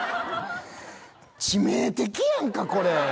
致命的やんかこれ。